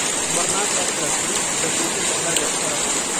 अमरनाथ यात्रा शुरू, जम्मू से पहला जत्था रवाना